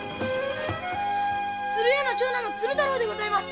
鶴屋の長男鶴太郎でございます。